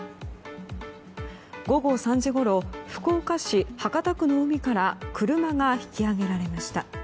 午後３時ごろ福岡市博多区の海から車が引き揚げられました。